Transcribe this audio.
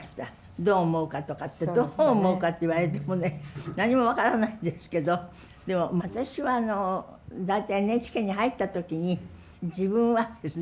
どう思うかとかってどう思うかって言われてもね何も分からないんですけどでも私は大体ＮＨＫに入った時に自分はですね